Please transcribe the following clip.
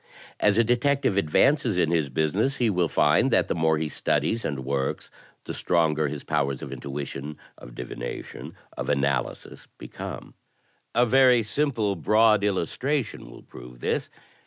As a detective advances in his business he will find that the more he studies and works, the stronger his powers of intuition, of divination, of analysis become. A very simple broad illustration will prove this.